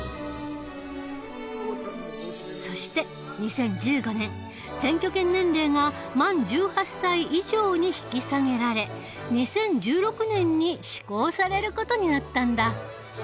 そして２０１５年選挙権年齢が満１８歳以上に引き下げられ２０１６年に施行される事になったんだ。